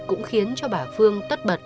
cũng khiến cho bà phương tất bật